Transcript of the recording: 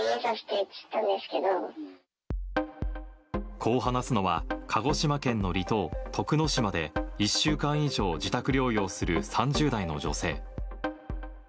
こう話すのは、鹿児島県の離島、徳之島で１週間以上自宅療養する３０代の女性。